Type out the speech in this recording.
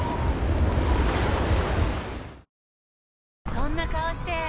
そんな顔して！